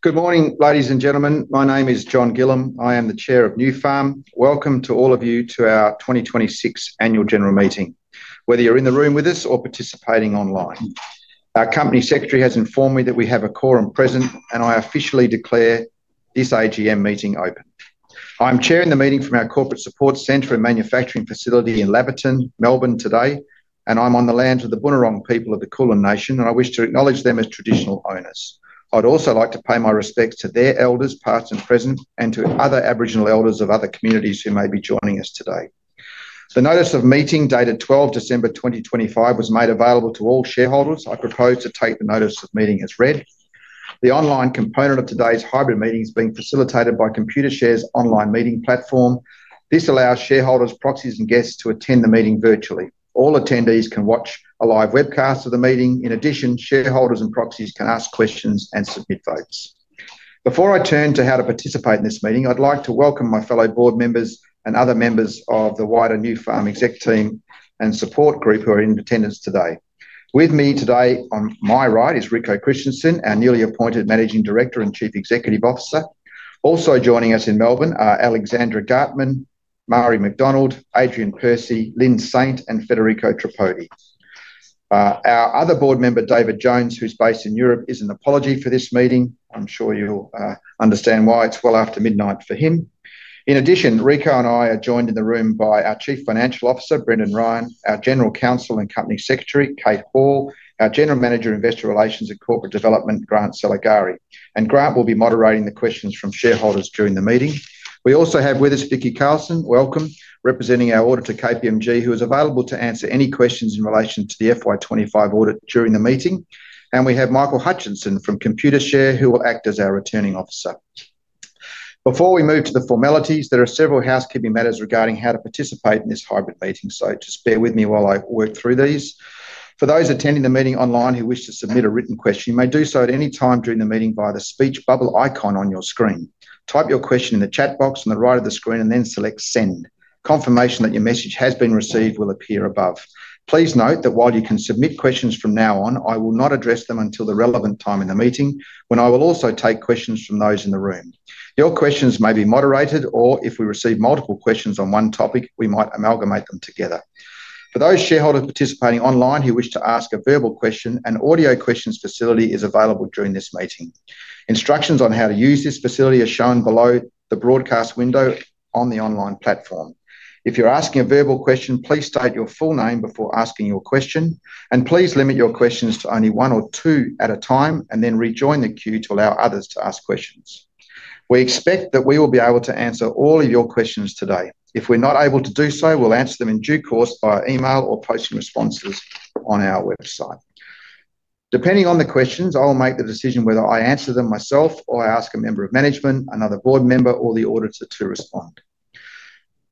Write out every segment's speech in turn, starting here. Good morning, ladies, and gentlemen. My name is John Gillam. I am the Chair of Nufarm. Welcome to all of you to our 2026 Annual General Meeting, whether you're in the room with us or participating online. Our company secretary has informed me that we have a quorum present, and I officially declare this AGM meeting open. I'm chairing the meeting from our corporate support center and manufacturing facility in Laverton, Melbourne, today, and I'm on the lands of the Boonwurrung people of the Kulin Nation, and I wish to acknowledge them as traditional owners. I'd also like to pay my respects to their elders, past and present, and to other Aboriginal elders of other communities who may be joining us today. The notice of meeting, dated 12 December 2025, was made available to all shareholders. I propose to take the notice of meeting as read. The online component of today's hybrid meeting is being facilitated by Computershare's online meeting platform. This allows shareholders, proxies, and guests to attend the meeting virtually. All attendees can watch a live webcast of the meeting. In addition, shareholders and proxies can ask questions and submit votes. Before I turn to how to participate in this meeting, I'd like to welcome my fellow board members and other members of the wider Nufarm exec team and support group who are in attendance today. With me today on my right is Rico Christensen, our newly appointed Managing Director and Chief Executive Officer. Also joining us in Melbourne are Alexandra Gartmann, Marie McDonald, Adrian Percy, Lynne Saint, and Federico Tripodi. Our other board member, David Jones, who's based in Europe, is an apology for this meeting. I'm sure you'll understand why. It's well after midnight for him. In addition, Rico and I are joined in the room by our Chief Financial Officer, Brendan Ryan, our General Counsel and Company Secretary, Kate Hall, our General Manager, Investor Relations and Corporate Development, Grant Saligari, and Grant will be moderating the questions from shareholders during the meeting. We also have with us Vicky Carlson, welcome, representing our auditor, KPMG, who is available to answer any questions in relation to the FY 2025 audit during the meeting, and we have Michael Hutchinson from Computershare, who will act as our returning officer. Before we move to the formalities, there are several housekeeping matters regarding how to participate in this hybrid meeting, so just bear with me while I work through these. For those attending the meeting online who wish to submit a written question, you may do so at any time during the meeting via the speech bubble icon on your screen. Type your question in the chat box on the right of the screen and then select Send. Confirmation that your message has been received will appear above. Please note that while you can submit questions from now on, I will not address them until the relevant time in the meeting, when I will also take questions from those in the room. Your questions may be moderated, or if we receive multiple questions on one topic, we might amalgamate them together. For those shareholders participating online who wish to ask a verbal question, an audio questions facility is available during this meeting. Instructions on how to use this facility are shown below the broadcast window on the online platform. If you're asking a verbal question, please state your full name before asking your question, and please limit your questions to only one or two at a time and then rejoin the queue to allow others to ask questions. We expect that we will be able to answer all of your questions today. If we're not able to do so, we'll answer them in due course via email or posting responses on our website. Depending on the questions, I will make the decision whether I answer them myself or I ask a member of management, another board member, or the auditor to respond.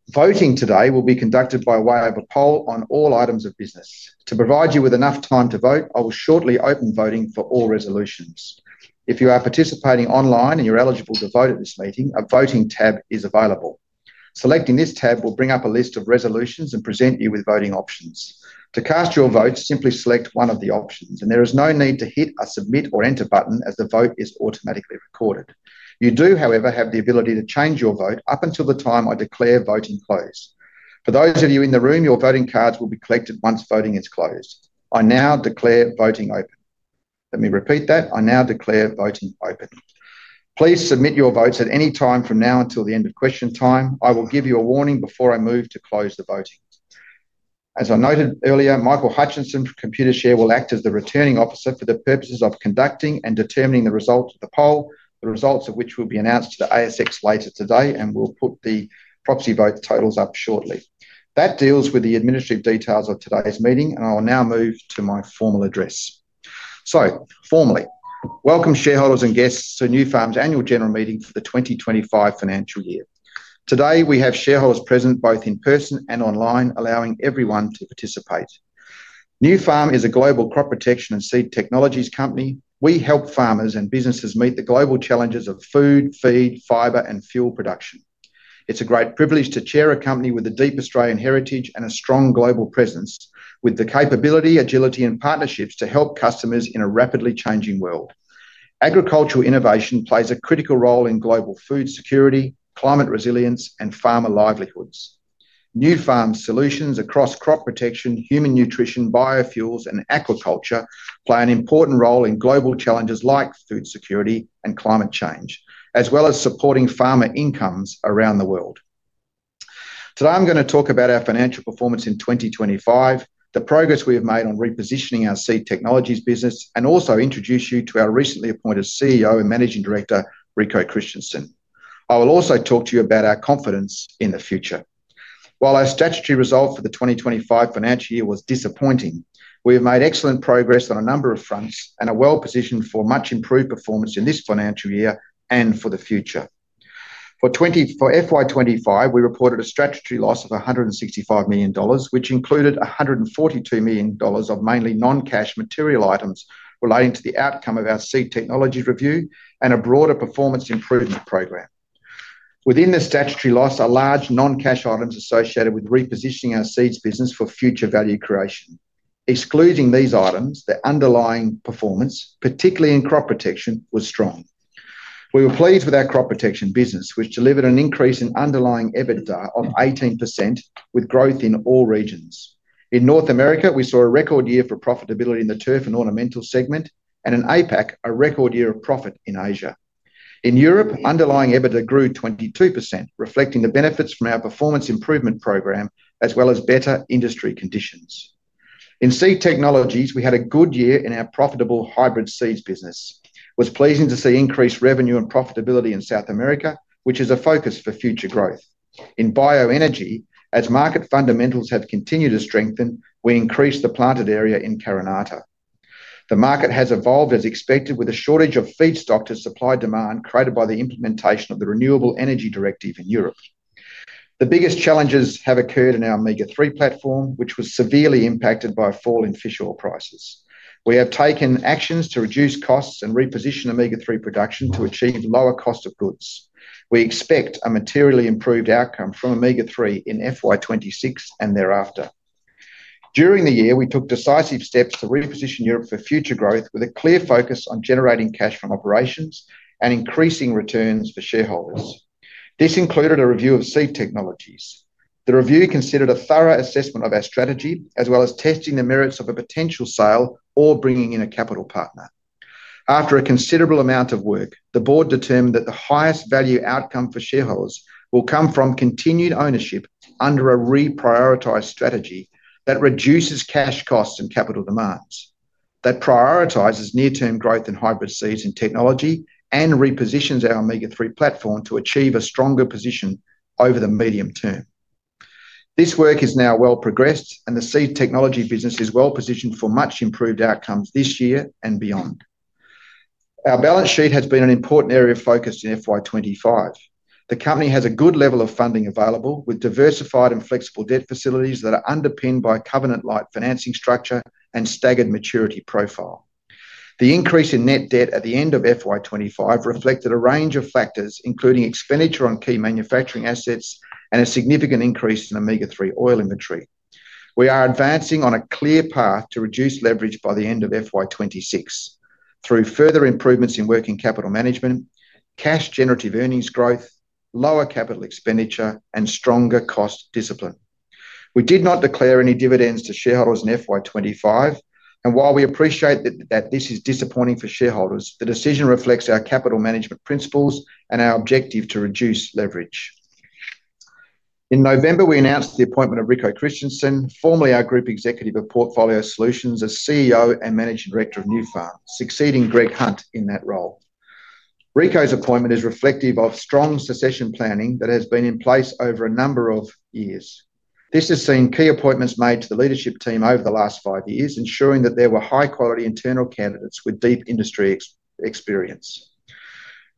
Voting today will be conducted by way of a poll on all items of business. To provide you with enough time to vote, I will shortly open voting for all resolutions. If you are participating online and you're eligible to vote at this meeting, a voting tab is available. Selecting this tab will bring up a list of resolutions and present you with voting options. To cast your vote, simply select one of the options, and there is no need to hit a submit or enter button as the vote is automatically recorded. You do, however, have the ability to change your vote up until the time I declare voting closed. For those of you in the room, your voting cards will be collected once voting is closed. I now declare voting open. Let me repeat that, I now declare voting open. Please submit your votes at any time from now until the end of question time. I will give you a warning before I move to close the voting. As I noted earlier, Michael Hutchinson from Computershare will act as the returning officer for the purposes of conducting and determining the results of the poll, the results of which will be announced to the ASX later today, and we'll put the proxy vote totals up shortly. That deals with the administrative details of today's meeting, and I will now move to my formal address. So formally, welcome, shareholders and guests, to Nufarm's annual general meeting for the 2025 financial year. Today, we have shareholders present, both in person and online, allowing everyone to participate. Nufarm is a global crop protection and seed technologies company. We help farmers and businesses meet the global challenges of food, feed, fiber, and fuel production. It's a great privilege to chair a company with a deep Australian heritage and a strong global presence, with the capability, agility, and partnerships to help customers in a rapidly changing world. Agricultural innovation plays a critical role in global food security, climate resilience, and farmer livelihoods. Nufarm's solutions across crop protection, human nutrition, biofuels, and aquaculture play an important role in global challenges like food security and climate change, as well as supporting farmer incomes around the world. Today, I'm gonna talk about our financial performance in 2025, the progress we have made on repositioning our seed technologies business, and also introduce you to our recently appointed CEO and Managing Director, Rico Christensen. I will also talk to you about our confidence in the future. While our statutory result for the 2025 financial year was disappointing, we have made excellent progress on a number of fronts and are well-positioned for much improved performance in this financial year and for the future. For FY 2025, we reported a statutory loss of 165 million dollars, which included 142 million dollars of mainly non-cash material items relating to the outcome of our seed technology review and a broader performance improvement program. Within the statutory loss are large non-cash items associated with repositioning our seeds business for future value creation. Excluding these items, the underlying performance, particularly in crop protection, was strong. We were pleased with our crop protection business, which delivered an increase in underlying EBITDA of 18%, with growth in all regions. In North America, we saw a record year for profitability in the turf and ornamental segment, and in APAC, a record year of profit in Asia. In Europe, underlying EBITDA grew 22%, reflecting the benefits from our performance improvement program, as well as better industry conditions. In seed technologies, we had a good year in our profitable hybrid seeds business. It was pleasing to see increased revenue and profitability in South America, which is a focus for future growth. In bioenergy, as market fundamentals have continued to strengthen, we increased the planted area in carinata. The market has evolved as expected, with a shortage of feedstock to supply demand created by the implementation of the Renewable Energy Directive in Europe. The biggest challenges have occurred in our Omega-3 platform, which was severely impacted by a fall in fish oil prices. We have taken actions to reduce costs and reposition Omega-3 production to achieve lower cost of goods. We expect a materially improved outcome from Omega-3 in FY 2026 and thereafter. During the year, we took decisive steps to reposition Europe for future growth, with a clear focus on generating cash from operations and increasing returns for shareholders. This included a review of seed technologies. The review considered a thorough assessment of our strategy, as well as testing the merits of a potential sale or bringing in a capital partner. After a considerable amount of work, the board determined that the highest value outcome for shareholders will come from continued ownership under a reprioritized strategy that reduces cash costs and capital demands, that prioritizes near-term growth in hybrid seeds and technology, and repositions our Omega-3 platform to achieve a stronger position over the medium term. This work is now well progressed, and the seed technology business is well positioned for much improved outcomes this year and beyond. Our balance sheet has been an important area of focus in FY 2025. The company has a good level of funding available, with diversified and flexible debt facilities that are underpinned by a covenant-light financing structure and staggered maturity profile. The increase in net debt at the end of FY 2025 reflected a range of factors, including expenditure on key manufacturing assets and a significant increase in Omega-3 oil inventory. We are advancing on a clear path to reduce leverage by the end of FY 2026 through further improvements in working capital management, cash generative earnings growth, lower capital expenditure, and stronger cost discipline. We did not declare any dividends to shareholders in FY 2025, and while we appreciate that, that this is disappointing for shareholders, the decision reflects our capital management principles and our objective to reduce leverage. In November, we announced the appointment of Rico Christensen, formerly our Group Executive of Portfolio Solutions, as CEO and Managing Director of Nufarm, succeeding Greg Hunt in that role. Rico's appointment is reflective of strong succession planning that has been in place over a number of years. This has seen key appointments made to the leadership team over the last five-years, ensuring that there were high-quality internal candidates with deep industry expertise.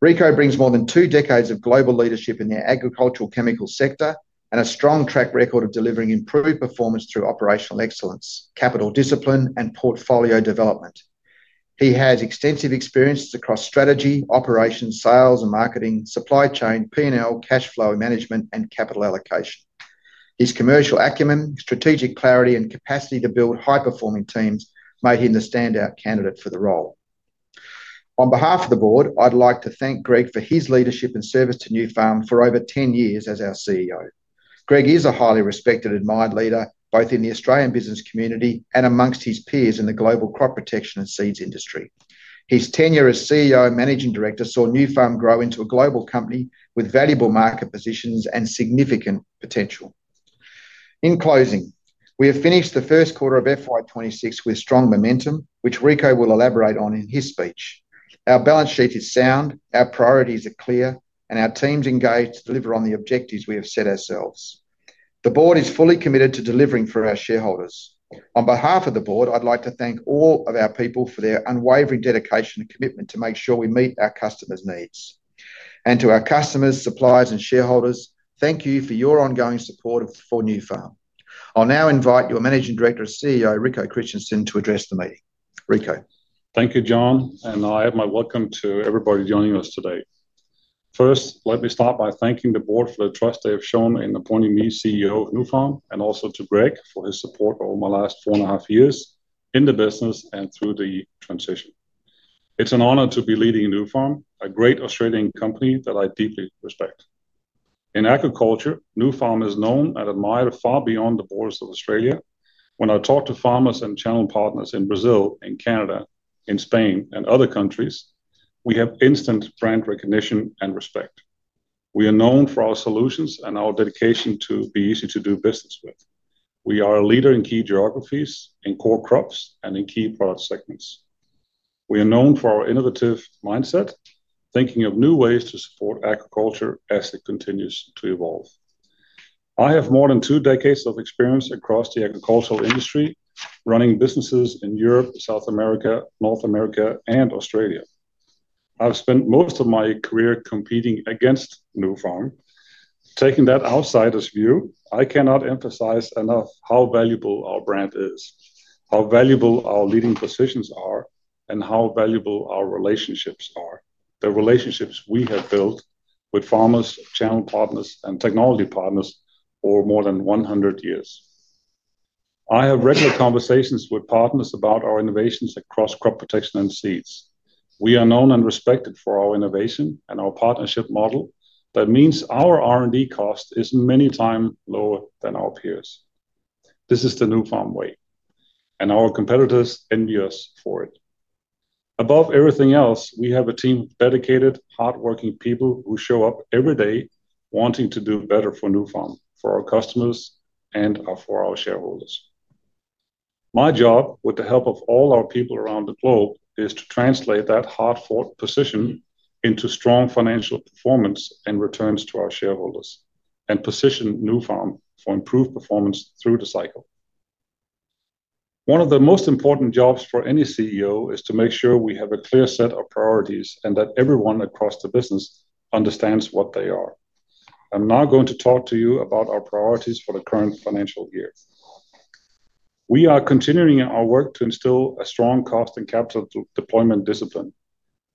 Rico brings more than two decades of global leadership in the agricultural chemical sector and a strong track record of delivering improved performance through operational excellence, capital discipline, and portfolio development. He has extensive experiences across strategy, operations, sales and marketing, supply chain, P&L, cash flow management, and capital allocation. His commercial acumen, strategic clarity, and capacity to build high-performing teams made him the standout candidate for the role. On behalf of the board, I'd like to thank Greg for his leadership and service to Nufarm for over 10 years as our CEO. Greg is a highly respected and admired leader, both in the Australian business community and amongst his peers in the global crop protection and seeds industry. His tenure as CEO and Managing Director saw Nufarm grow into a global company with valuable market positions and significant potential. In closing, we have finished the first quarter of FY 2026 with strong momentum, which Rico will elaborate on in his speech. Our balance sheet is sound, our priorities are clear, and our teams engaged to deliver on the objectives we have set ourselves. The board is fully committed to delivering for our shareholders. On behalf of the board, I'd like to thank all of our people for their unwavering dedication and commitment to make sure we meet our customers' needs. To our customers, suppliers, and shareholders, thank you for your ongoing support of, for Nufarm. I'll now invite your Managing Director and CEO, Rico Christensen, to address the meeting. Rico? Thank you, John, and I have my welcome to everybody joining us today. First, let me start by thanking the board for the trust they have shown in appointing me CEO of Nufarm, and also to Greg for his support over my last four and a half years in the business and through the transition. It's an honor to be leading Nufarm, a great Australian company that I deeply respect. In agriculture, Nufarm is known and admired far beyond the borders of Australia. When I talk to farmers and channel partners in Brazil and Canada, in Spain and other countries, we have instant brand recognition and respect. We are known for our solutions and our dedication to be easy to do business with. We are a leader in key geographies, in core crops, and in key product segments. We are known for our innovative mindset, thinking of new ways to support agriculture as it continues to evolve. I have more than two decades of experience across the agricultural industry, running businesses in Europe, South America, North America, and Australia. I've spent most of my career competing against Nufarm.... Taking that outsider's view, I cannot emphasize enough how valuable our brand is, how valuable our leading positions are, and how valuable our relationships are. The relationships we have built with farmers, channel partners, and technology partners for more than 100 years. I have regular conversations with partners about our innovations across crop protection and seeds. We are known and respected for our innovation and our partnership model. That means our R&D cost is many times lower than our peers. This is the Nufarm way, and our competitors envy us for it. Above everything else, we have a team of dedicated, hardworking people who show up every day wanting to do better for Nufarm, for our customers, and for our shareholders. My job, with the help of all our people around the globe, is to translate that hard-fought position into strong financial performance and returns to our shareholders, and position Nufarm for improved performance through the cycle. One of the most important jobs for any CEO is to make sure we have a clear set of priorities, and that everyone across the business understands what they are. I'm now going to talk to you about our priorities for the current financial year. We are continuing our work to instill a strong cost and capital deployment discipline.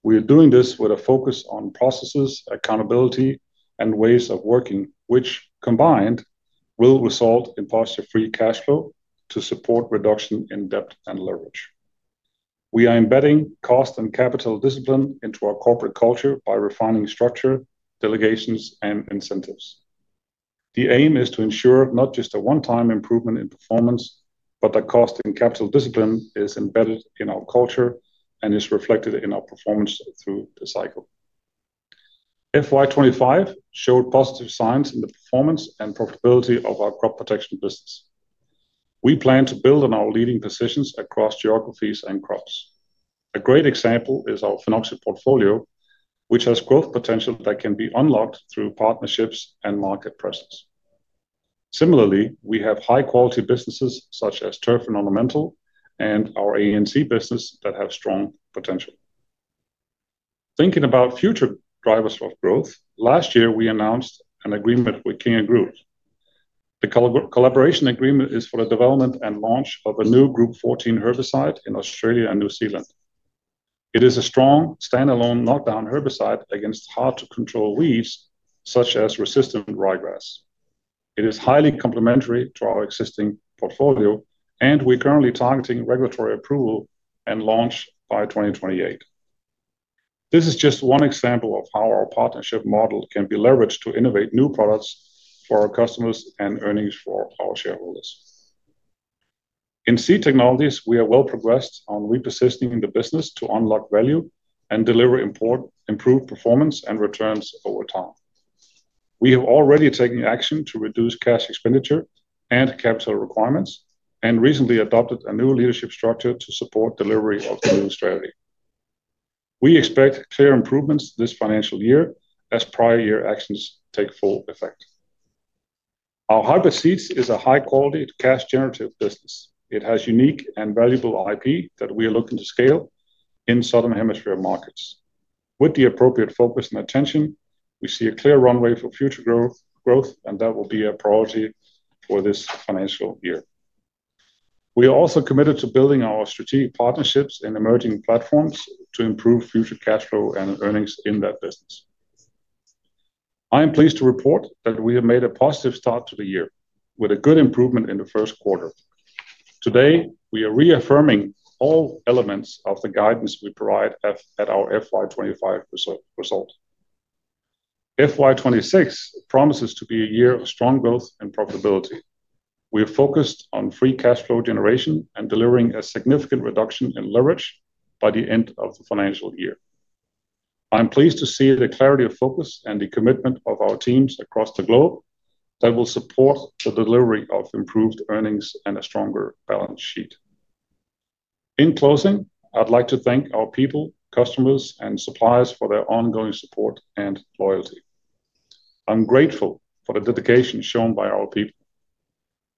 We are doing this with a focus on processes, accountability, and ways of working, which, combined, will result in positive free cash flow to support reduction in debt and leverage. We are embedding cost and capital discipline into our corporate culture by refining structure, delegations, and incentives. The aim is to ensure not just a one-time improvement in performance, but that cost and capital discipline is embedded in our culture and is reflected in our performance through the cycle. FY 2025 showed positive signs in the performance and profitability of our crop protection business. We plan to build on our leading positions across geographies and crops. A great example is our Phenoxy portfolio, which has growth potential that can be unlocked through partnerships and market presence. Similarly, we have high-quality businesses such as Turf and Ornamental, and our ANZ business that have strong potential. Thinking about future drivers of growth, last year we announced an agreement with KingAgroot. The collaboration agreement is for the development and launch of a new Group 14 herbicide in Australia and New Zealand. It is a strong, standalone knockdown herbicide against hard-to-control weeds, such as resistant ryegrass. It is highly complementary to our existing portfolio, and we're currently targeting regulatory approval and launch by 2028. This is just one example of how our partnership model can be leveraged to innovate new products for our customers and earnings for our shareholders. In Seed Technologies, we are well progressed on repositioning the business to unlock value and deliver improved performance and returns over time. We have already taken action to reduce cash expenditure and capital requirements, and recently adopted a new leadership structure to support delivery of the new strategy. We expect clear improvements this financial year as prior year actions take full effect. Our Hybrid Seeds is a high-quality, cash-generative business. It has unique and valuable IP that we are looking to scale in Southern Hemisphere markets. With the appropriate focus and attention, we see a clear runway for future growth, growth, and that will be a priority for this financial year. We are also committed to building our strategic partnerships in emerging platforms to improve future cash flow and earnings in that business. I am pleased to report that we have made a positive start to the year, with a good improvement in the first quarter. Today, we are reaffirming all elements of the guidance we provide at our FY 2025 result. FY 2026 promises to be a year of strong growth and profitability. We are focused on free cash flow generation and delivering a significant reduction in leverage by the end of the financial year. I'm pleased to see the clarity of focus and the commitment of our teams across the globe that will support the delivery of improved earnings and a stronger balance sheet. In closing, I'd like to thank our people, customers, and suppliers for their ongoing support and loyalty. I'm grateful for the dedication shown by our people.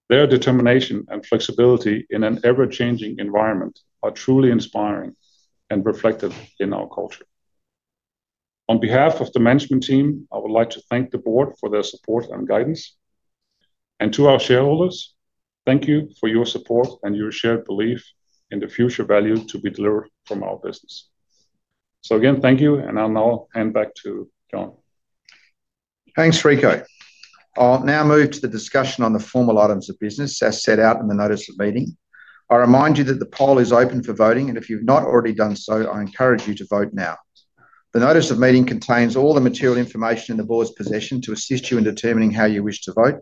Their determination and flexibility in an ever-changing environment are truly inspiring and reflected in our culture. On behalf of the management team, I would like to thank the board for their support and guidance. And to our shareholders, thank you for your support and your shared belief in the future value to be delivered from our business. So again, thank you, and I'll now hand back to John. Thanks, Rico. I'll now move to the discussion on the formal items of business, as set out in the notice of meeting. I remind you that the poll is open for voting, and if you've not already done so, I encourage you to vote now. The notice of meeting contains all the material information in the board's possession to assist you in determining how you wish to vote.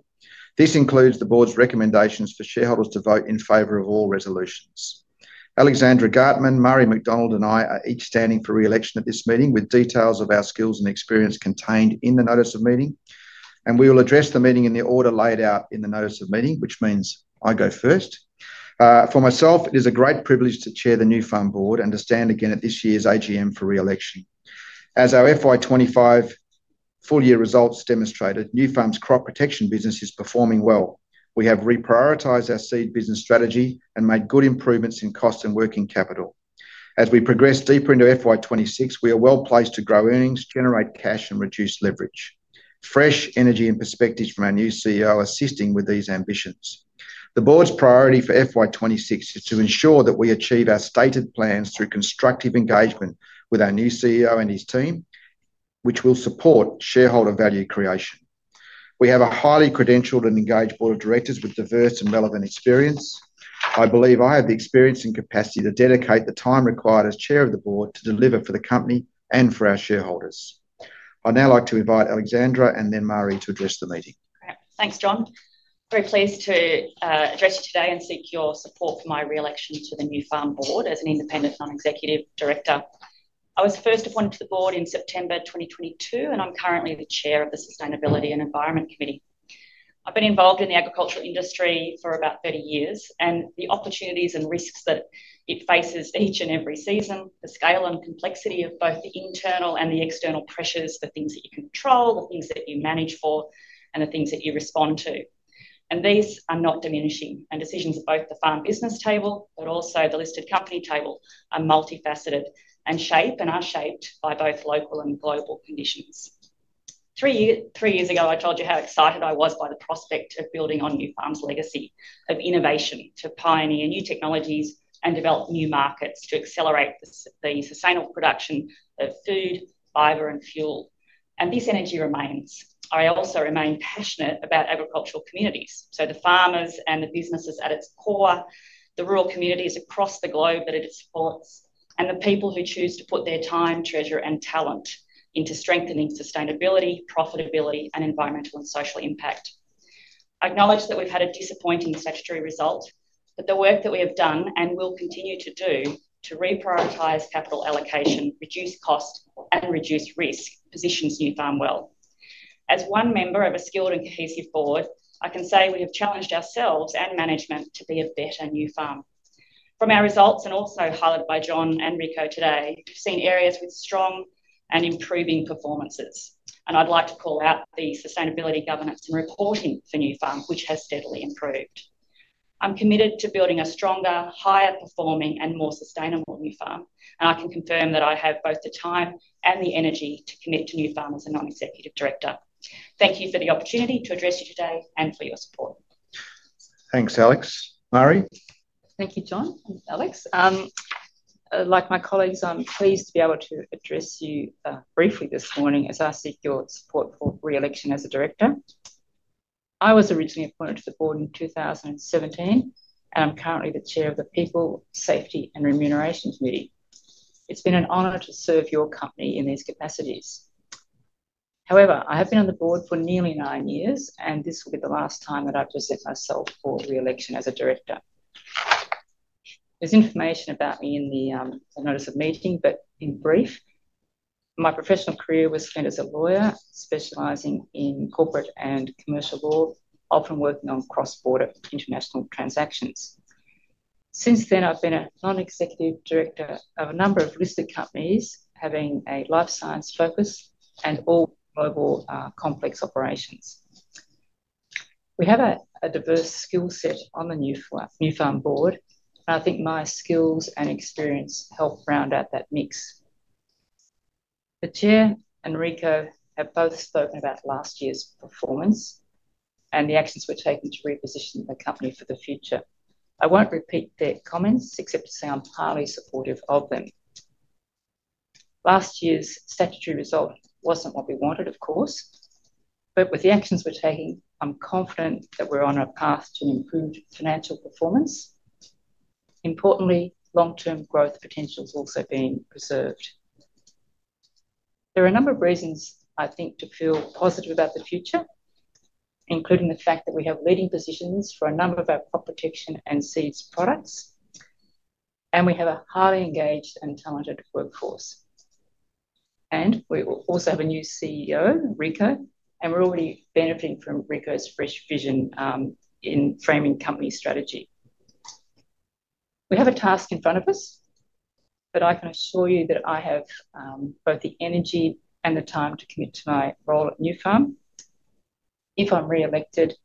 This includes the board's recommendations for shareholders to vote in favor of all resolutions. Alexandra Gartmann, Marie McDonald, and I are each standing for re-election at this meeting, with details of our skills and experience contained in the notice of meeting, and we will address the meeting in the order laid out in the notice of meeting, which means I go first. For myself, it is a great privilege to chair the Nufarm board and to stand again at this year's AGM for re-election. As our FY 2025 full year results demonstrated Nufarm's crop protection business is performing well. We have reprioritized our seed business strategy and made good improvements in cost and working capital. As we progress deeper into FY 2026, we are well-placed to grow earnings, generate cash, and reduce leverage. Fresh energy and perspectives from our new CEO are assisting with these ambitions. The board's priority for FY 2026 is to ensure that we achieve our stated plans through constructive engagement with our new CEO and his team, which will support shareholder value creation. We have a highly credentialed and engaged board of directors with diverse and relevant experience. I believe I have the experience and capacity to dedicate the time required as chair of the board to deliver for the company and for our shareholders. I'd now like to invite Alexandra and then Marie to address the meeting. Great. Thanks, John. Very pleased to address you today and seek your support for my re-election to the Nufarm board as an independent non-executive director. I was first appointed to the board in September 2022, and I'm currently the Chair of the Sustainability and Environment Committee. I've been involved in the agricultural industry for about 30 years, and the opportunities and risks that it faces each and every season, the scale and complexity of both the internal and the external pressures, the things that you control, the things that you manage for, and the things that you respond to. And these are not diminishing, and decisions at both the farm business table but also the listed company table are multifaceted and shape and are shaped by both local and global conditions. Three years ago, I told you how excited I was by the prospect of building on Nufarm's legacy of innovation to pioneer new technologies and develop new markets to accelerate the sustainable production of food, fiber, and fuel, and this energy remains. I also remain passionate about agricultural communities, so the farmers and the businesses at its core, the rural communities across the globe that it supports, and the people who choose to put their time, treasure, and talent into strengthening sustainability, profitability, and environmental and social impact. I acknowledge that we've had a disappointing statutory result, but the work that we have done and will continue to do to reprioritize capital allocation, reduce cost, and reduce risk, positions Nufarm well. As one member of a skilled and cohesive board, I can say we have challenged ourselves and management to be a better Nufarm. From our results, and also highlighted by John and Rico today, we've seen areas with strong and improving performances, and I'd like to call out the sustainability, governance, and reporting for Nufarm, which has steadily improved. I'm committed to building a stronger, higher-performing, and more sustainable Nufarm, and I can confirm that I have both the time and the energy to commit to Nufarm as a non-executive director. Thank you for the opportunity to address you today and for your support. Thanks, Alex. Marie? Thank you, John and Alex. Like my colleagues, I'm pleased to be able to address you briefly this morning as I seek your support for re-election as a director. I was originally appointed to the board in 2017, and I'm currently the Chair of the People, Safety, and Remuneration Committee. It's been an honor to serve your company in these capacities. However, I have been on the board for nearly nine years, and this will be the last time that I've presented myself for re-election as a director. There's information about me in the notice of meeting, but in brief, my professional career was spent as a lawyer, specializing in corporate and commercial law, often working on cross-border international transactions. Since then, I've been a non-executive director of a number of listed companies, having a life science focus and all global, complex operations. We have a diverse skill set on the Nufarm, Nufarm board, and I think my skills and experience help round out that mix. The Chair and Rico have both spoken about last year's performance and the actions we're taking to reposition the company for the future. I won't repeat their comments, except to say I'm highly supportive of them. Last year's statutory result wasn't what we wanted, of course, but with the actions we're taking, I'm confident that we're on a path to improved financial performance. Importantly, long-term growth potential is also being preserved. There are a number of reasons I think, to feel positive about the future, including the fact that we have leading positions for a number of our crop protection and seeds products, and we have a highly engaged and talented workforce. And we also have a new CEO, Rico, and we're already benefiting from Rico's fresh vision, in framing company strategy. We have a task in front of us, but I can assure you that I have, both the energy and the time to commit to my role at Nufarm. If I'm re-elected,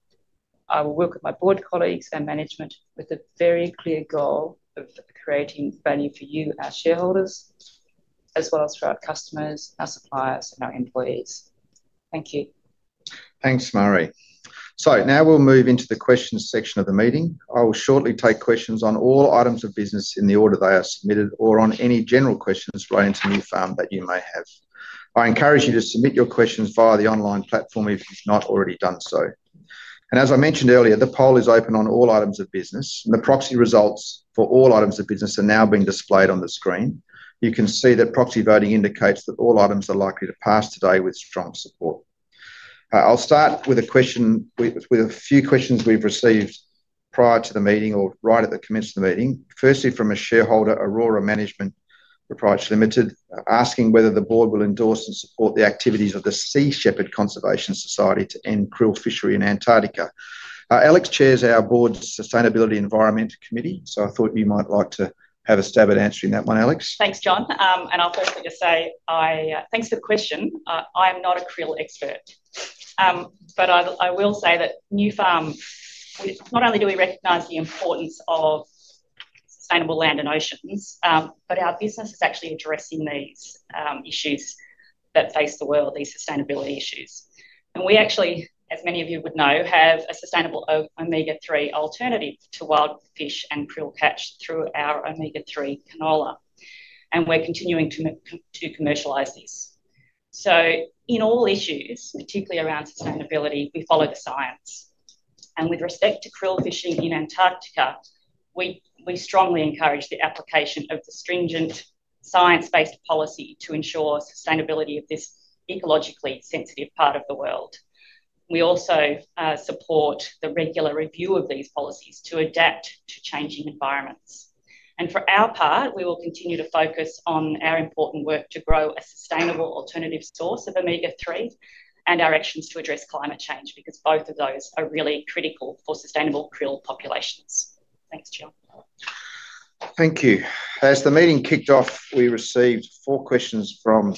I will work with my board colleagues and management with a very clear goal of creating value for you, our shareholders, as well as for our customers, our suppliers, and our employees. Thank you. Thanks, Marie. So now we'll move into the questions section of the meeting. I will shortly take questions on all items of business in the order they are submitted, or on any general questions relating to Nufarm that you may have. I encourage you to submit your questions via the online platform, if you've not already done so. And as I mentioned earlier, the poll is open on all items of business, and the proxy results for all items of business are now being displayed on the screen. You can see that proxy voting indicates that all items are likely to pass today with strong support. I'll start with a few questions we've received prior to the meeting or right at the commencement of the meeting. Firstly, from a shareholder, Aurora Management Repurchase Limited, asking whether the board will endorse and support the activities of the Sea Shepherd Conservation Society to end krill fishery in Antarctica. Alex chairs our board's Sustainability Environment Committee, so I thought you might like to have a stab at answering that one, Alex. Thanks, John. I'll firstly just say, thanks for the question. I'm not a krill expert. But I will say that not only do we recognize the importance of sustainable land and oceans, but our business is actually addressing these issues that face the world, these sustainability issues. And we actually, as many of you would know, have a sustainable Omega-3 alternative to wild fish and krill catch through our Omega-3 canola, and we're continuing to commercialize this. So in all issues, particularly around sustainability, we follow the science. And with respect to krill fishing in Antarctica, we strongly encourage the application of the stringent science-based policy to ensure sustainability of this ecologically sensitive part of the world. We also support the regular review of these policies to adapt to changing environments. For our part, we will continue to focus on our important work to grow a sustainable alternative source of Omega-3, and our actions to address climate change, because both of those are really critical for sustainable krill populations. Thanks, John. Thank you. As the meeting kicked off, we received four questions from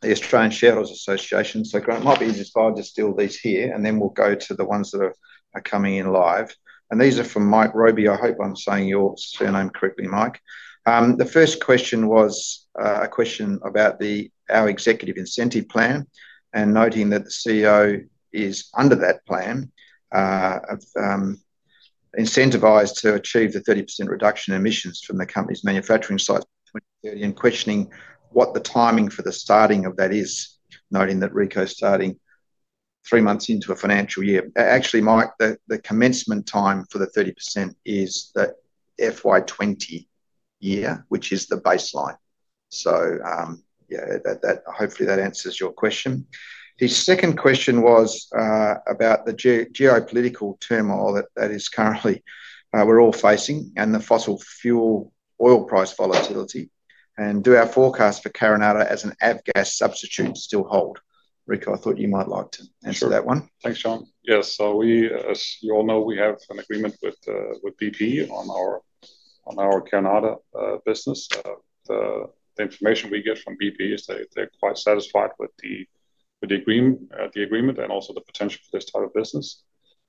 the Australian Shareholders Association, so Grant, it might be just best to deal with these here, and then we'll go to the ones that are coming in live. And these are from Mike Robey. I hope I'm saying your surname correctly, Mike. The first question was a question about our executive incentive plan, and noting that the CEO is under that plan incentivized to achieve the 30% reduction in emissions from the company's manufacturing sites, and questioning what the timing for the starting of that is, noting that Rico is starting three-months into a financial year. Actually, Mike, the commencement time for the 30% is the FY 2020 year, which is the baseline. So, yeah, that hopefully answers your question. His second question was about the geopolitical turmoil that is currently we're all facing, and the fossil fuel oil price volatility, and do our forecasts for carinata as an avgas substitute still hold? Rico, I thought you might like to answer that one. Sure. Thanks, John. Yes, so we, as you all know, we have an agreement with BP on our carinata business. The information we get from BP is that they're quite satisfied with the agreement and also the potential for this type of business.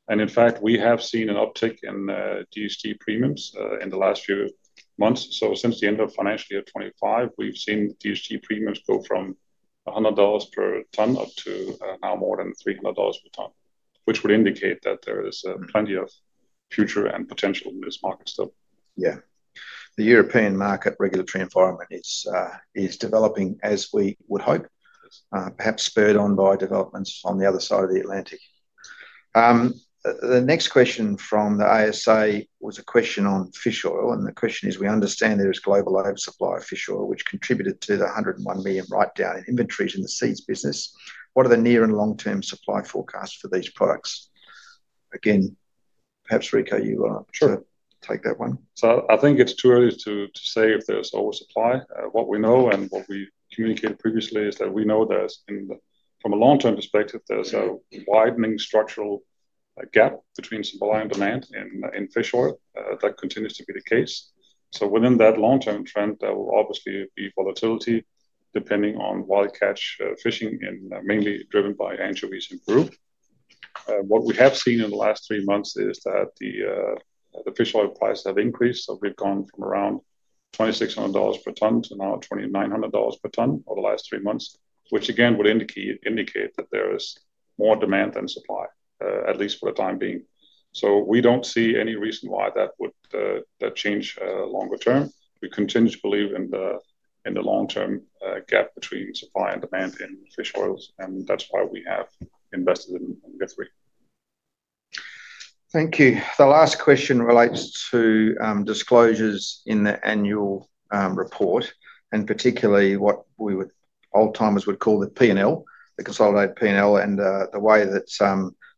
And in fact, we have seen an uptick in DST premiums in the last few months. So since the end of financial year 2025, we've seen DST premiums go from $100 per tonne up to now more than $300 per tonne, which would indicate that there is plenty of future and potential in this market still. Yeah. The European market regulatory environment is developing as we would hope- Yes... perhaps spurred on by developments on the other side of the Atlantic. The next question from the ASA was a question on fish oil, and the question is: We understand there is global oversupply of fish oil, which contributed to the 101 million write-down in inventories in the seeds business. What are the near and long-term supply forecasts for these products? Again, perhaps, Rico, you- Sure - take that one. So I think it's too early to say if there's oversupply. What we know and what we communicated previously is that we know there's, from a long-term perspective, a widening structural gap between supply and demand in fish oil. That continues to be the case. So within that long-term trend, there will obviously be volatility, depending on wild catch, fishing, and mainly driven by anchovies and brood. What we have seen in the last three months is that the fish oil prices have increased, so we've gone from around $2,600 per tonne to now $2,900 per tonne over the last three months, which again would indicate that there is more demand than supply, at least for the time being. So we don't see any reason why that would change longer term. We continue to believe in the long-term gap between supply and demand in fish oils, and that's why we have invested in the three. Thank you. The last question relates to disclosures in the annual report, and particularly what we would, old-timers would call the P&L, the consolidated P&L, and the way that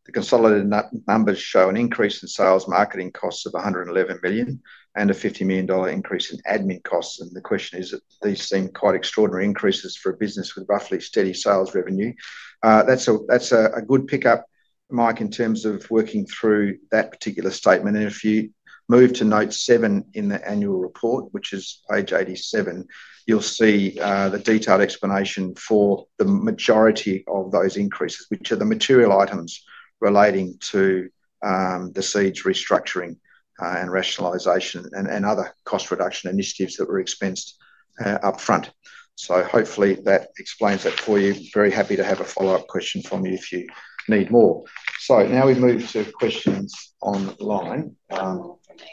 the consolidated numbers show an increase in sales, marketing costs of 111 million, and a 50 million dollar increase in admin costs. And the question is that these seem quite extraordinary increases for a business with roughly steady sales revenue. That's a good pickup, Mike, in terms of working through that particular statement. And if you move to note seven in the annual report, which is page 87, you'll see the detailed explanation for the majority of those increases, which are the material items relating to the seeds restructuring, and rationalization and other cost reduction initiatives that were expensed upfront. So hopefully that explains it for you. Very happy to have a follow-up question from you if you need more. So now we move to questions online. One more from me.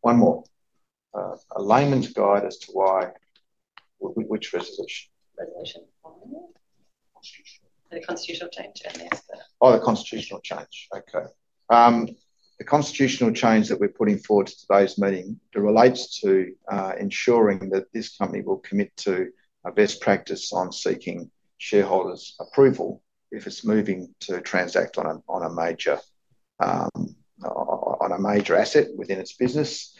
One more. A layman's guide as to why, which resolution? Resolution. Constitutional. The constitutional change, and there's the- Oh, the constitutional change. Okay. The constitutional change that we're putting forward to today's meeting relates to ensuring that this company will commit to a best practice on seeking shareholders' approval if it's moving to transact on a major asset within its business.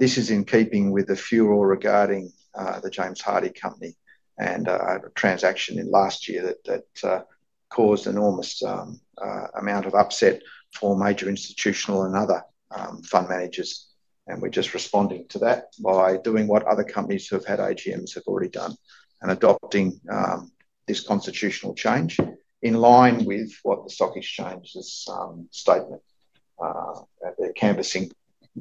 This is in keeping with the furor regarding the James Hardie company and a transaction in last year that caused enormous amount of upset for major institutional and fund managers, and we're just responding to that by doing what other companies who have had AGMs have already done, and adopting this constitutional change in line with what the stock exchange's statement they're canvassing,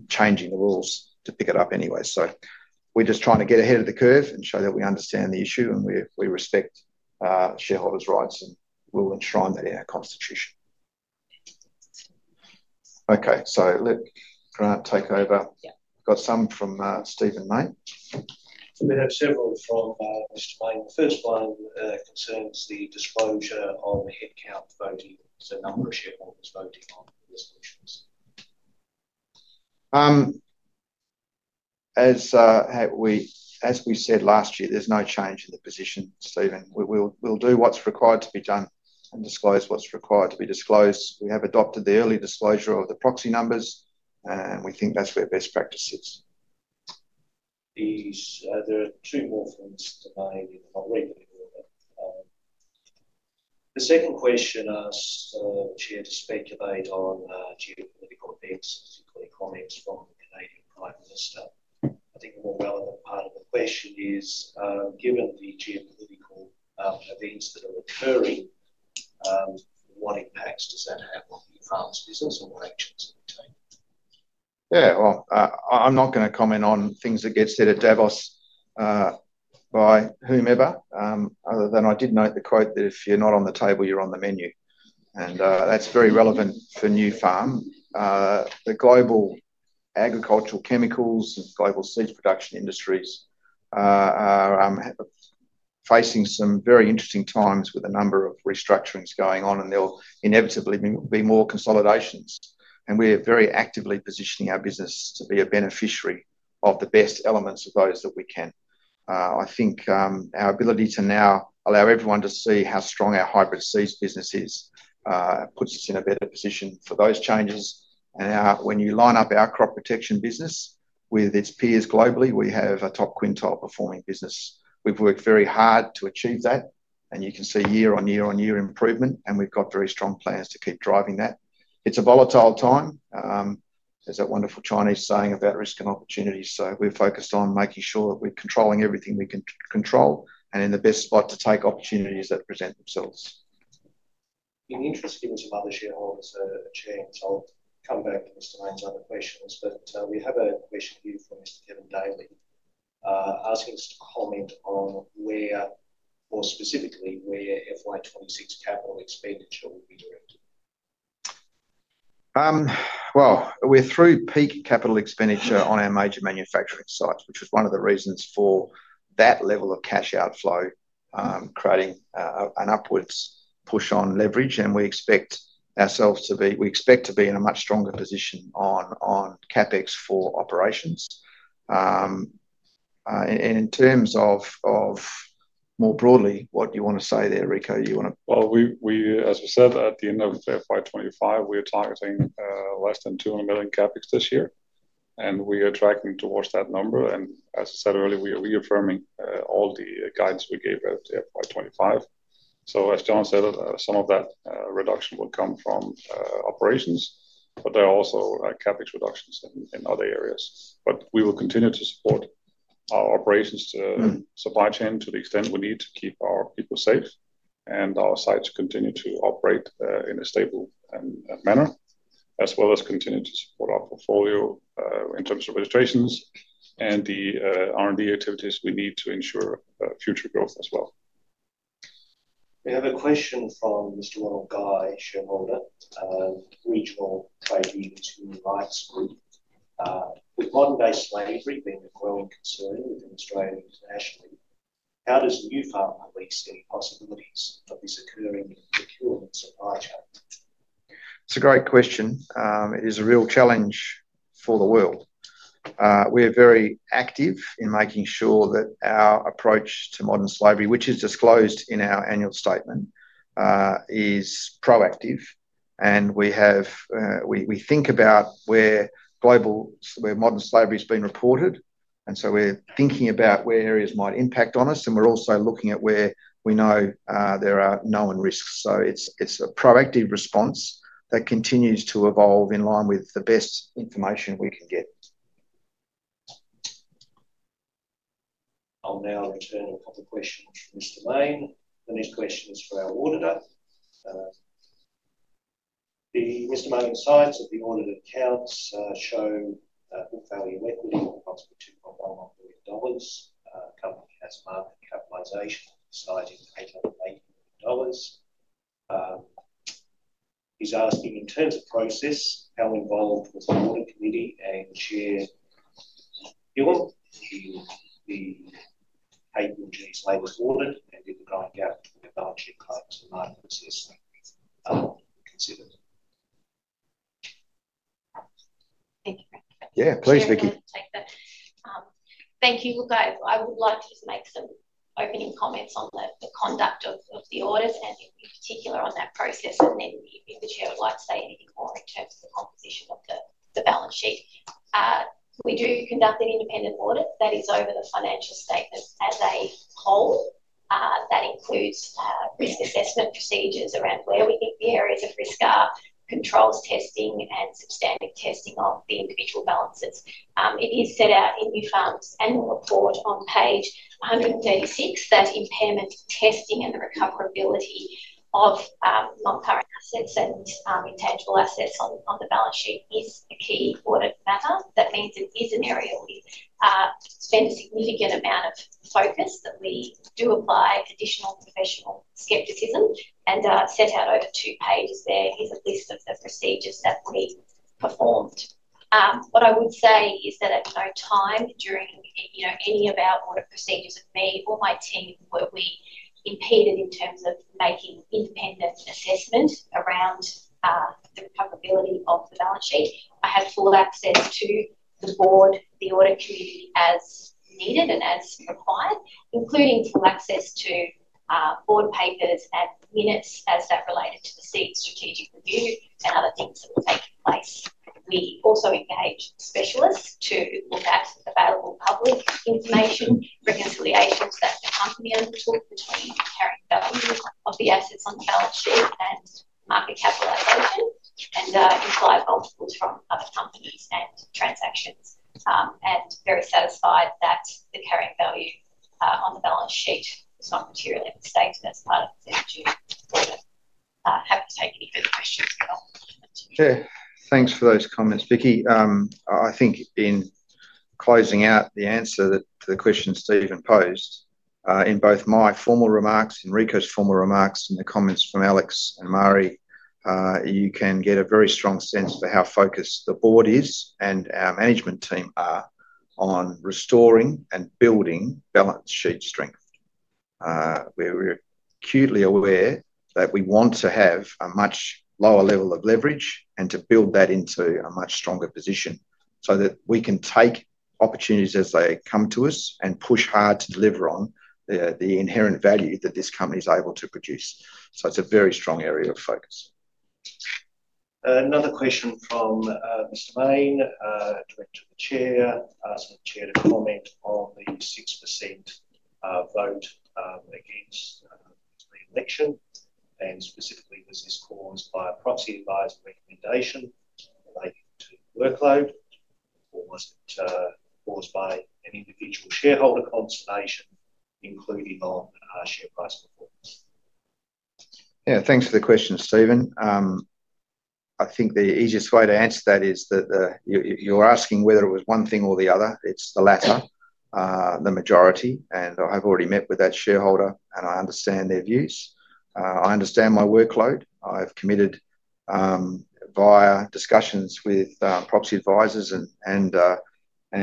changing the rules to pick it up anyway. So we're just trying to get ahead of the curve and show that we understand the issue, and we respect shareholders' rights, and we'll enshrine that in our constitution. Okay, so let Grant take over. Yeah. Got some from Stephen Mayne? We have several from Mr. Mayne. The first one concerns the disclosure on the headcount voting, so number of shareholders voting on the resolutions. As we said last year, there's no change in the position, Stephen. We'll do what's required to be done and disclose what's required to be disclosed. We have adopted the early disclosure of the proxy numbers, and we think that's where best practice is. These, there are two more from Mr. Mayne, and I'll read them. The second question asks the chair to speculate on geopolitical events, specifically comments from the Canadian Prime Minister. I think the more relevant part of the question is, given the geopolitical events that are occurring, what impacts does that have on Nufarm's business, and what actions are being taken? Yeah, well, I'm not gonna comment on things that get said at Davos by whomever other than I did note the quote that if you're not on the table, you're on the menu. And that's very relevant for Nufarm. The global agricultural chemicals and global seeds production industries are facing some very interesting times with a number of restructurings going on, and there'll inevitably be more consolidations. And we're very actively positioning our business to be a beneficiary of the best elements of those that we can. I think our ability to now allow everyone to see how strong our hybrid seeds business is puts us in a better position for those changes. And when you line up our crop protection business with its peers globally, we have a top quintile performing business. We've worked very hard to achieve that, and you can see year-on-year improvement, and we've got very strong plans to keep driving that. It's a volatile time. There's that wonderful Chinese saying about risk and opportunity, so we're focused on making sure that we're controlling everything we can control, and in the best spot to take opportunities that present themselves. In the interest of some other shareholders, chair, so I'll come back to Mr. Mayne's other questions, but, we have a question here from Mr. Kevin Daly, asking us to comment on where, more specifically, where FY 2026 capital expenditure will be directed. Well, we're through peak capital expenditure on our major manufacturing sites, which was one of the reasons for that level of cash outflow, creating an upwards push on leverage, and we expect ourselves to be-- we expect to be in a much stronger position on CapEx for operations. In terms of more broadly, what you want to say there, Rico, you wanna? Well, as we said at the end of FY 2025, we are targeting less than 200 million CapEx this year, and we are tracking towards that number, and as I said earlier, we are reaffirming all the guidance we gave at FY 2025. So as John said, some of that reduction will come from operations, but there are also CapEx reductions in other areas. But we will continue to support our operations to- Mm... supply chain to the extent we need to keep our people safe, and our sites continue to operate in a stable manner, as well as continue to support our portfolio in terms of registrations and the R&D activities we need to ensure future growth as well. We have a question from Mr. Ronald Guy, shareholder, regional trading to rights group. With modern-day slavery being a growing concern within Australia internationally, how does Nufarm at least see possibilities of this occurring in the procurement supply chain? It's a great question. It is a real challenge for the world. We are very active in making sure that our approach to modern slavery, which is disclosed in our annual statement, is proactive, and we have, we think about where modern slavery has been reported, and so we're thinking about where areas might impact on us, and we're also looking at where we know there are known risks. So it's a proactive response that continues to evolve in line with the best information we can get. I'll now return a couple of questions from Mr. Mayne. The next question is for our Auditor. Mr. Mayne cites that the audited accounts show book value in equity of approximately AUD 2.11 million, company has market capitalization citing AUD 880 million. He's asking, in terms of process, how involved was the auditing committee and Chair, you in the KPMG's latest audit, and in the going out to the balance sheet claims and market assessment considered? Thank you. Yeah, please, Vicky. Take that. Thank you. Well, guys, I would like to just make some opening comments on the conduct of the audit and in particular on that process, and then if the chair would like to say anything more in terms of the composition of the balance sheet.... We do conduct an independent audit that is over the financial statements as a whole. That includes risk assessment procedures around where we think the areas of risk are, controls testing, and substantive testing of the individual balances. It is set out in Nufarm's annual report on page 136, that impairment testing and the recoverability of non-current assets and intangible assets on the balance sheet is a key audit matter. That means it is an area we spend a significant amount of focus, that we do apply additional professional skepticism and set out over two pages there is a list of the procedures that we performed. What I would say is that at no time during, you know, any of our audit procedures of me or my team were we impeded in terms of making independent assessment around the recoverability of the balance sheet. I had full access to the board, the audit committee, as needed and as required, including full access to board papers and minutes as that related to the CEO strategic review and other things that were taking place. We also engaged specialists to look at available public information, reconciliations that the company undertook between the carrying value of the assets on the balance sheet and market capitalization, and implied multiples from other companies and transactions. And very satisfied that the carrying value on the balance sheet is not materially misstated as part of our audit. Happy to take any further questions that are- Yeah, thanks for those comments, Vicky. I think in closing out the answer to the question Stephen posed, in both my formal remarks and Rico's formal remarks, and the comments from Alex and Marie, you can get a very strong sense for how focused the board is, and our management team are on restoring and building balance sheet strength. We're acutely aware that we want to have a much lower level of leverage and to build that into a much stronger position, so that we can take opportunities as they come to us and push hard to deliver on the inherent value that this company is able to produce. So it's a very strong area of focus. Another question from Mr. Mayne, Director of the Chair. Asking the chair to comment on the 6% vote against the election, and specifically, was this caused by a proxy advisor recommendation relating to workload, or was it caused by an individual shareholder consternation, including on share price performance? Yeah, thanks for the question, Stephen. I think the easiest way to answer that is that you’re asking whether it was one thing or the other. It’s the latter, the majority, and I’ve already met with that shareholder, and I understand their views. I understand my workload. I’ve committed, via discussions with proxy advisors and, and,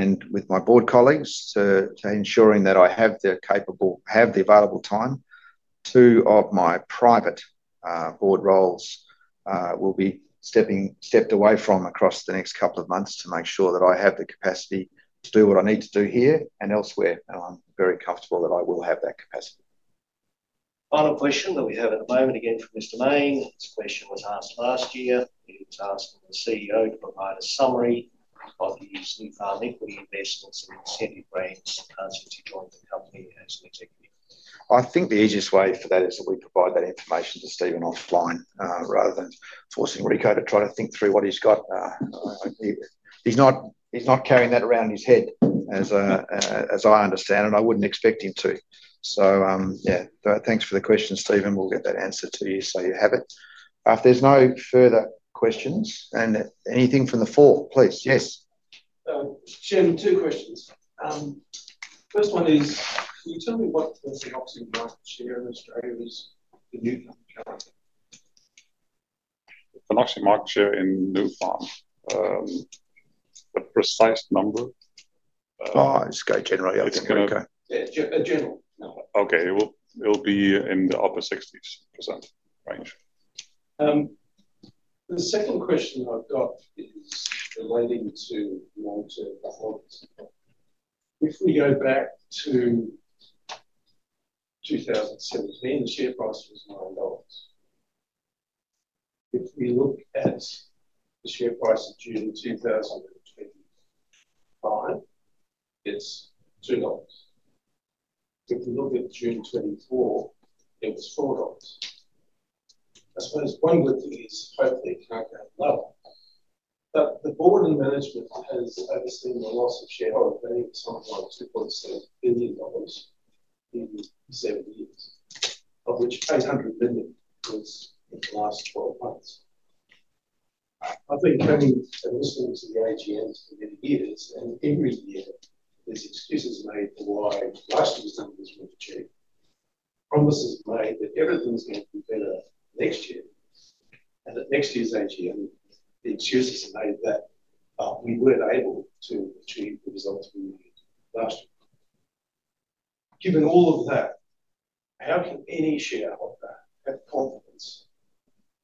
and with my board colleagues, to ensuring that I have the available time. Two of my private board roles will step away across the next couple of months to make sure that I have the capacity to do what I need to do here and elsewhere, and I’m very comfortable that I will have that capacity. Final question that we have at the moment, again from Mr. Mayne. This question was asked last year. He was asking the CEO to provide a summary of the Nufarm equity investments and incentive rates, since he joined the company as an executive. I think the easiest way for that is that we provide that information to Stephen offline, rather than forcing Rico to try to think through what he's got. He, he's not, he's not carrying that around in his head, as I understand, and I wouldn't expect him to. So, yeah. But thanks for the question, Stephen. We'll get that answer to you, so you have it. If there's no further questions, and anything from the floor, please. Yes. Chair, two questions. First one is, can you tell me what the Phenoxy market share in Australia is, the Nufarm current? Phenoxy market share in Nufarm, a precise number? Oh, just go general. Yeah, okay. Okay. Yeah, a general number. Okay. It will, it'll be in the upper 60s% range. The second question I've got is relating to long-term performance. If we go back to 2017, the share price was AUD 9. If we look at the share price of June 2025, it's 2 dollars. If we look at June 2024, it was 4 dollars. I suppose one good thing is hopefully it can't go lower, but the board and management has overseen the loss of shareholder value of somewhere around 2.6 billion dollars in seven-years, of which 800 million was in the last 12 months. I've been coming and listening to the AGMs for many years, and every year there's excuses made for why last year's numbers weren't achieved. Promises made that everything's going to be better next year, and that next year's AGM, the excuses are made that, we weren't able to achieve the results we needed last year. Given all of that, how can any shareholder have confidence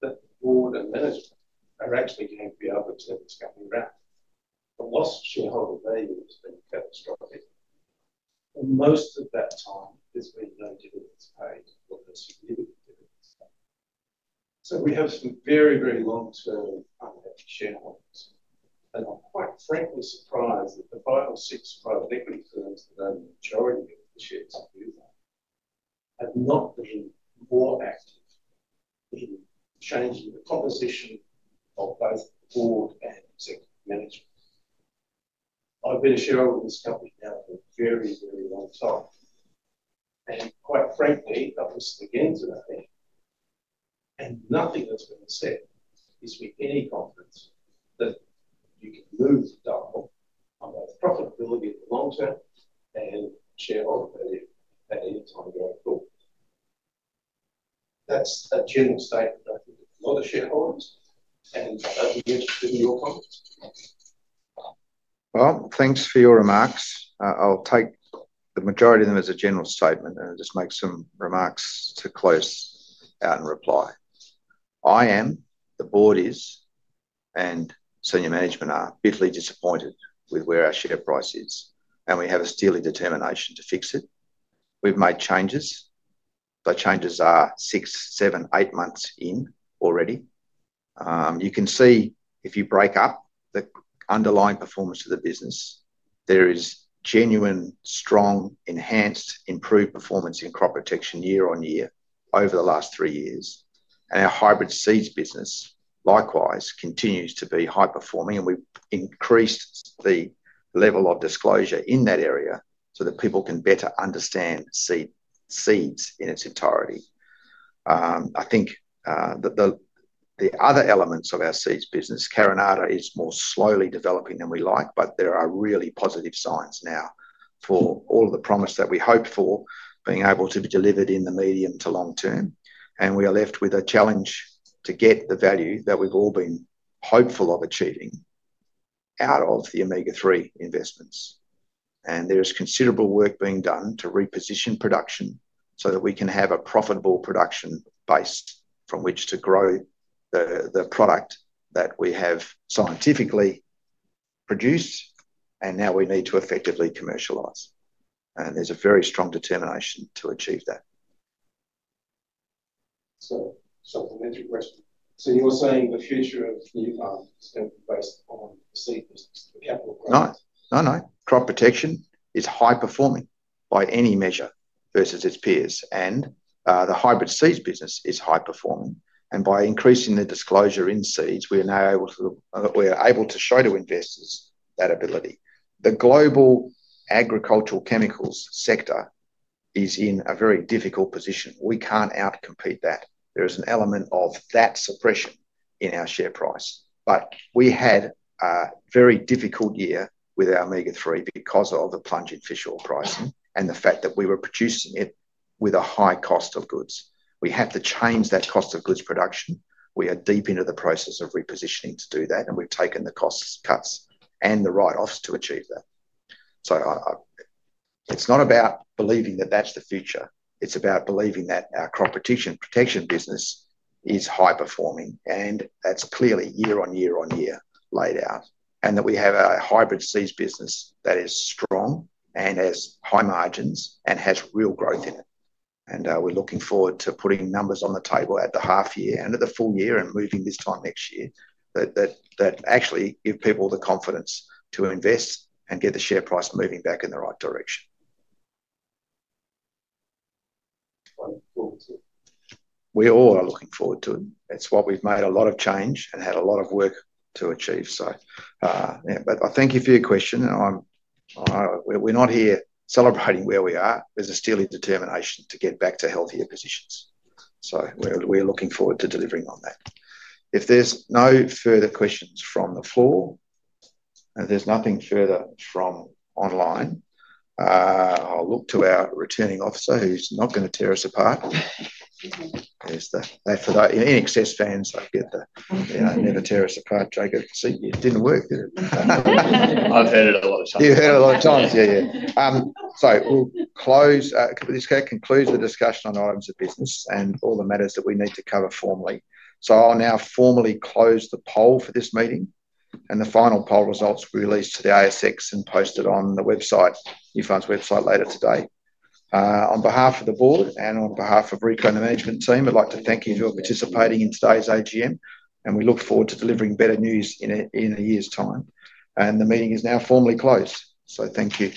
that the board and management are actually going to be able to turn this company around? The lost shareholder value has been catastrophic, and most of that time there's been no dividends paid or a significant dividend? So we have some very, very long-term unhappy shareholders, and I'm quite frankly surprised that the five or six private equity firms that own the majority of the shares have not been more active in changing the composition of both the board and executive management. I've been a shareholder of this company now for a very, very long time, and quite frankly, I'll listen again today, and nothing that's been said gives me any confidence that you can move the dial on both profitability in the long term and shareholder value at any time going forward. That's a general statement I think a lot of shareholders, and I'd be interested in your comments. Well, thanks for your remarks. I'll take the majority of them as a general statement, and I'll just make some remarks to close out and reply. I am, the board is, and senior management are bitterly disappointed with where our share price is, and we have a steely determination to fix it. We've made changes. The changes are six, seven, eight-months in already. You can see, if you break up the underlying performance of the business, there is genuine, strong, enhanced, improved performance in crop protection year-on-year over the last three years, and our hybrid seeds business likewise continues to be high performing, and we've increased the level of disclosure in that area so that people can better understand seed, seeds in its entirety. I think, the other elements of our seeds business, Carinata, is more slowly developing than we like, but there are really positive signs now for all of the promise that we hoped for being able to be delivered in the medium to long term. And we are left with a challenge to get the value that we've all been hopeful of achieving out of the Omega-3 investments. And there is considerable work being done to reposition production so that we can have a profitable production base from which to grow the product that we have scientifically produced and now we need to effectively commercialize, and there's a very strong determination to achieve that. So, supplementary question: so you're saying the future of Nufarm is going to be based on the seed business, the capital- No. No, no. Crop protection is high performing by any measure versus its peers, and, the hybrid seeds business is high performing, and by increasing the disclosure in seeds, we are now able to, we are able to show to investors that ability. The global agricultural chemicals sector is in a very difficult position. We can't out-compete that. There is an element of that suppression in our share price. But we had a very difficult year with our Omega-3 because of the plunge in fish oil pricing and the fact that we were producing it with a high cost of goods. We had to change that cost of goods production. We are deep into the process of repositioning to do that, and we've taken the costs cuts and the write-offs to achieve that. So I, I... It's not about believing that that's the future, it's about believing that our crop protection business is high performing, and that's clearly year-on-year laid out, and that we have a hybrid seeds business that is strong and has high margins and has real growth in it. And, we're looking forward to putting numbers on the table at the half year and at the full year and moving this time next year, that actually give people the confidence to invest and get the share price moving back in the right direction. Wonderful to- We all are looking forward to it. It's what we've made a lot of change and had a lot of work to achieve, so, yeah. But I thank you for your question, and I'm, we're not here celebrating where we are. There's a steely determination to get back to healthier positions, so we're, we're looking forward to delivering on that. If there's no further questions from the floor, and there's nothing further from online, I'll look to our returning officer, who's not going to tear us apart. There's the... For the INXS fans, I get the, you know, never tear us apart. Jacob, see, it didn't work, did it? I've heard it a lot of times. You've heard it a lot of times, yeah, yeah. So we'll close, this concludes the discussion on items of business and all the matters that we need to cover formally. So I'll now formally close the poll for this meeting, and the final poll results will be released to the ASX and posted on the website, Nufarm's website, later today. On behalf of the board and on behalf of Rico and the management team, I'd like to thank you for participating in today's AGM, and we look forward to delivering better news in a, in a year's time. The meeting is now formally closed, so thank you.